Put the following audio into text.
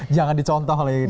jangan dicontoh oleh ini